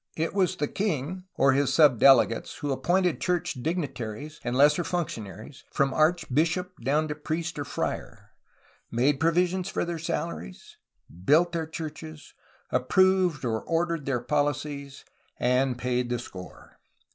It was the king or his sub delegates who appointed church dignitaries and lesser functionaries, from archbishop down to priest or friar, made provision for their salaries, built their churches, approved or ordered their policies, and paid the score.